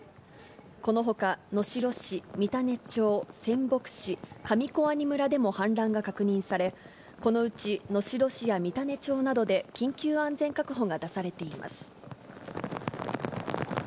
このほか、能代市、三種町、仙北市、上小阿仁村でも氾濫が確認され、このうち、能代市や三種町などで緊急安全確保が出されています。